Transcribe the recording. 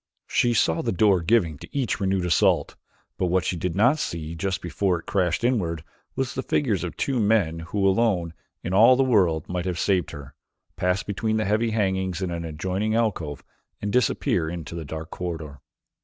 She saw the door giving to each renewed assault, but what she did not see just before it crashed inward was the figures of the two men who alone, in all the world, might have saved her, pass between the heavy hangings in an adjoining alcove and disappear into a dark corridor.